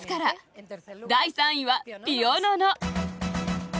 第３位はピオノノ。